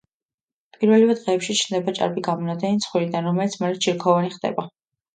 პირველივე დღეებში ჩნდება ჭარბი გამონადენი ცხვირიდან, რომელიც მალე ჩირქოვანი ხდება.